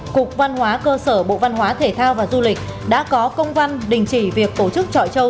cục văn hóa cơ sở bộ văn hóa thể thao và du lịch đã có công văn đình chỉ việc tổ chức trọi châu